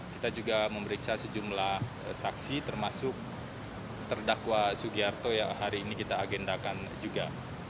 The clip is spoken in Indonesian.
kita juga memeriksa sejumlah saksi termasuk terdakwa sugiarto yang hari ini kita agendakan juga